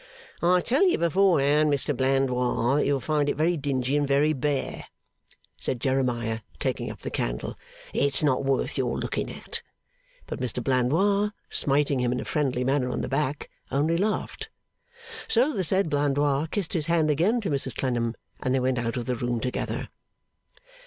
'I tell you beforehand, Mr Blandois, that you'll find it very dingy and very bare,' said Jeremiah, taking up the candle. 'It's not worth your looking at.'But Mr Blandois, smiting him in a friendly manner on the back, only laughed; so the said Blandois kissed his hand again to Mrs Clennam, and they went out of the room together.